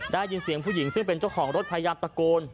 ได้ยินเสียงผู้หญิงซึ่งเป็นเจ้าของรถพยายามตะโกน